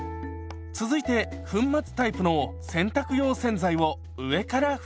続いて粉末タイプの洗濯用洗剤を上からふりかけます。